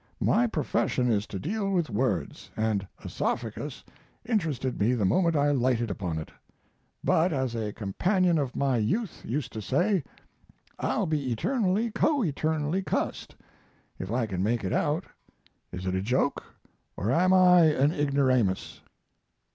My profession is to deal with words, and oesophagus interested me the moment I lighted upon it. But, as a companion of my youth used to say, 'I'll be eternally, co eternally cussed' if I can make it out. Is it a joke or am I an ignoramus?"